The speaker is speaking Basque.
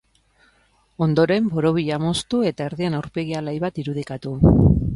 Ondoren, borobila moztu eta erdian aurpegi alai bat irudikatu.